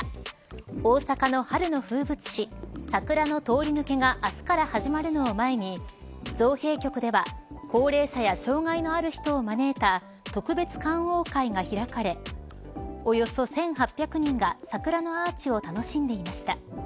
大阪の春の風物詩桜の通り抜けが明日から始まるのを前に造幣局では高齢者や障害のある人を招いた特別観桜会が開かれおよそ１８００人が桜のアーチを楽しんでいました。